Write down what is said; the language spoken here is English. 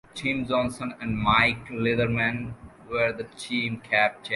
Tim Johnson and Mike Leatherman were the team captains.